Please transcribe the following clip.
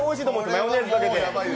マヨネーズかけて。